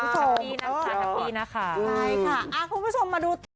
ครับพี่นะคะครับพี่นะคะ